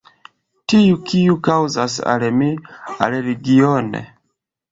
Tiu, kiu kaŭzas al mi alergion...